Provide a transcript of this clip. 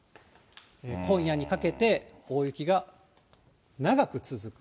今夜にかけて、大雪が長く続く。